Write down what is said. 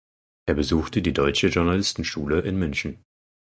Er besuchte die Deutsche Journalistenschule in München.